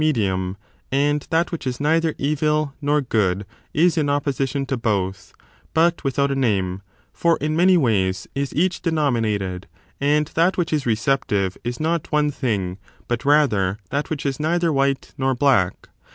267 medium ; and that which is neither evil nor good is in opposi tion to both, but without a name : for in many ways is each denominated, and that which is receptive is not one thing, but rather that which is neither white nor black.